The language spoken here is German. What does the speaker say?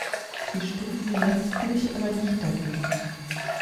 Sie stimmten letztlich aber nicht dagegen.